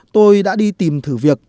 tôi đã đi tìm thử việc